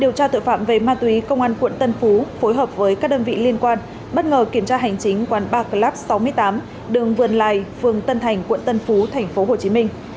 đội cảnh sát điều tra tội phạm về ma túy công an quận tân phú phối hợp với các đơn vị liên quan bất ngờ kiểm tra hành chính quán bar club sáu mươi tám đường vườn lài phường tân thành quận tân phú thành phố hồ chí minh